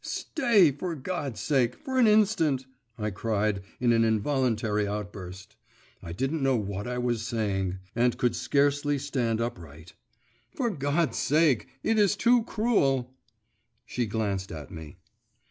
'Stay, for God's sake, for an instant,' I cried in an involuntary outburst. I didn't know what I was saying and could scarcely stand upright. 'For God's sake … it is too cruel!' She glanced at me.